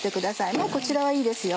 もうこちらはいいですよ。